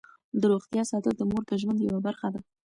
د روغتیا ساتل د مور د ژوند یوه برخه ده.